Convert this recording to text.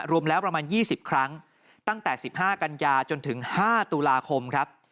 รวมแล้วประมาณ๒๐ครั้งตั้งแต่๑๕กันยาจนถึง๕ตุลาคมครับ